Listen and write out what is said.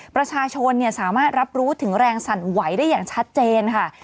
ประชาชนสามารถรับรู้ถึงแรงสั่นไหวได้อย่างชัดเจนค่ะ